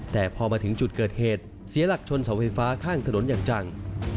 แต่พอมาถึงจุดเกิดเหตุเสียหลักชนเสาไฟฟ้าข้างถนนอย่างจัง